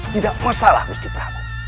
tidak masalah gusti prabu